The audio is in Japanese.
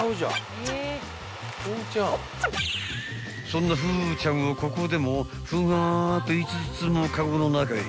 ［そんなふーちゃんをここでもふがーっと５つもカゴの中へ］